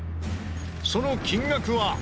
その金額は。